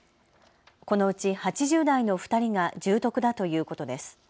このうち、８０代の２人が重篤だということです。